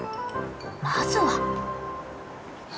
まずは。